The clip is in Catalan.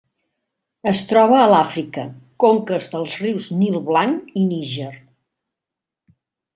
Es troba a Àfrica: conques dels rius Nil Blanc i Níger.